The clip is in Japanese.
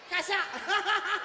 アハハハッ！